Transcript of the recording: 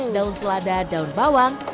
daun selada daun bawang